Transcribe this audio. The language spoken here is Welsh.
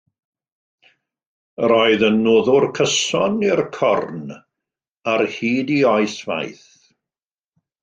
Yr oedd yn noddwr cyson i'r Corn ar hyd ei oes faith.